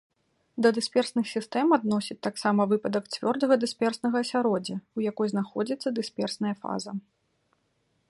Да дысперсных сістэм адносяць таксама выпадак цвёрдага дысперснага асяроддзя, у якой знаходзіцца дысперсная фаза.